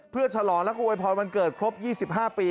เพื่อฉลองแล้วก็โวยพรวันเกิดครบ๒๕ปี